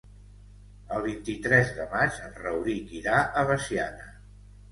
El vint-i-tres de maig en Rauric irà a Veciana.